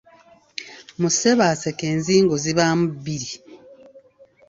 Mu Ssebaaseka enzingo ziba mu bbiri.